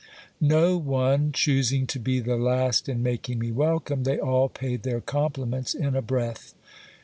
No one choosing to be the last in making me welcome, they all paid their compliments in a breath.